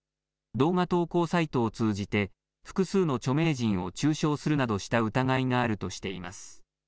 動画投稿サイトを通じて複数の著名人を中傷するなどした疑いがあるとしています。